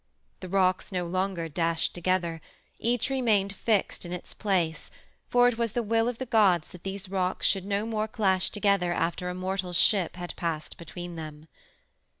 The rocks no longer dashed together; each remained fixed in its place, for it was the will of the gods that these rocks should no more clash together after a mortal's ship had passed between them.